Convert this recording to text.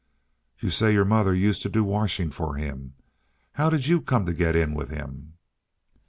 "You say your mother used to do washing for him. How did you come to get in with him?"